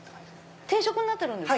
定食になってるんですか？